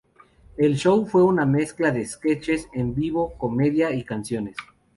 El show fue una mezcla de sketches en vivo, comedia y canciones.